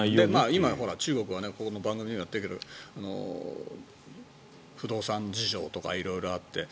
今、中国はこの番組でもやってるけど不動産事情とか色々あって。